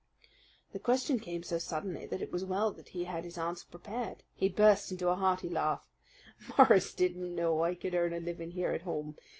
The question came so suddenly that it was well that he had his answer prepared. He burst into a hearty laugh. "Morris didn't know I could earn a living here at home.